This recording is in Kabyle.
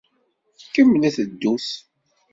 Kemmlet ddut.